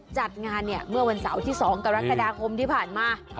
จัดงานเนี่ยเมื่อวันเสาร์ที่๒กรกฎาคมที่ผ่านมา